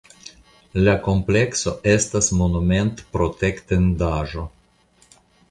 La komplekso estas monumentprotektendaĵo.